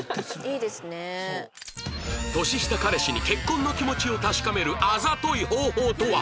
年下彼氏に結婚の気持ちを確かめるあざとい方法とは？